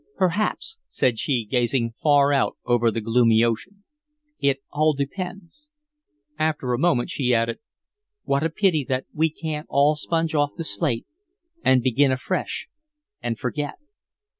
"Perhaps," said she, gazing far out over the gloomy ocean. "It all depends." After a moment, she added, "What a pity that we can't all sponge off the slate and begin afresh and forget."